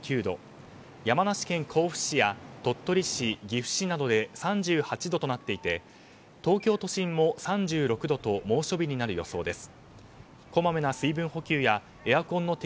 山梨県甲府市や鳥取市、岐阜市などで３８度となっていて東京都心も３６度と猛暑日になる予想です。